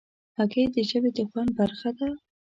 هګۍ د ژبې د خوند برخه ده.